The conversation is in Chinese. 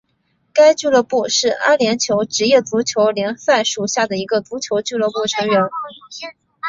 该俱乐部是阿联酋职业足球联赛属下的一个足球俱乐部成员。